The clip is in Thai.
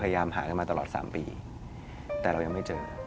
แต่เรายังไม่เจอ